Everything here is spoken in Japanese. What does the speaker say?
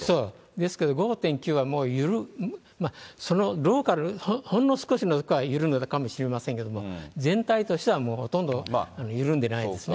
ですけど、５．９はもう、ほんの少しは緩んだかもしれませんけれども、全体としてはもうほとんど緩んでないですね。